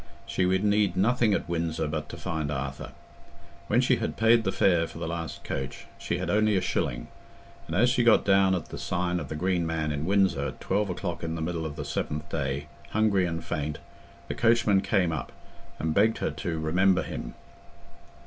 She would need nothing at Windsor but to find Arthur. When she had paid the fare for the last coach, she had only a shilling; and as she got down at the sign of the Green Man in Windsor at twelve o'clock in the middle of the seventh day, hungry and faint, the coachman came up, and begged her to "remember him."